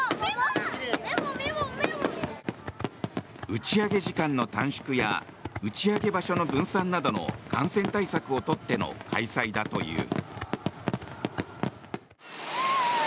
打ち上げ時間の短縮や打ち上げ場所の分散などの感染対策を取っての開催だという。